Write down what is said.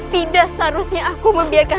tidak seharusnya aku membiarkan